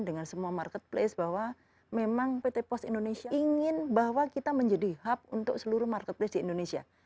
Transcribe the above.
dengan semua marketplace bahwa memang pt pos indonesia ingin bahwa kita menjadi hub untuk seluruh marketplace di indonesia